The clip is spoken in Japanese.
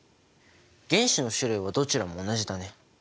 原子の種類はどちらも同じだね。